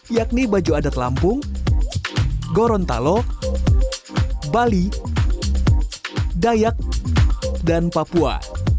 yakni baju adat lampung gorontalo bali dayak dan papua